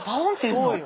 そうよ。